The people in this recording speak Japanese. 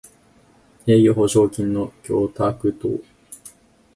営業保証金の供託等